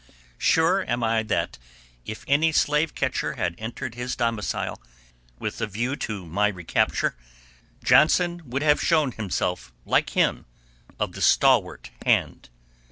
Sure am I that, if any slave catcher had entered his domicile with a view to my recapture, Johnson would have shown himself like him of the "stalwart hand."